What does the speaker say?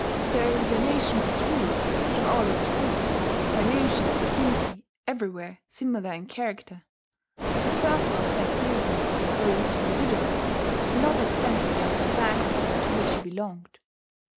Though the nation was ruled, through all its groups, by notions of duty everywhere similar in character, the circle of that duty, for each individual, did not extend beyond the clan group to which he belonged.